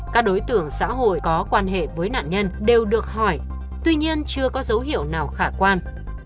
các đối tượng xã hội có quan hệ với nạn nhân đều được hỏi tuy nhiên chưa có dấu hiệu nào khả quan